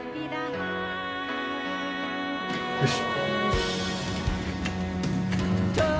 よし。